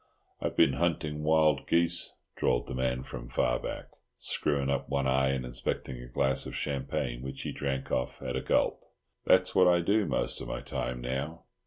"I've been hunting wild geese," drawled the man from far back, screwing up one eye and inspecting a glass of champagne, which he drank off at a gulp. "That's what I do most of my time now.